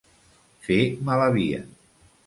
Fer mala via.